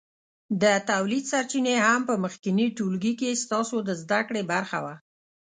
د تولید سرچینې هم په مخکېني ټولګي کې ستاسو د زده کړې برخه وه.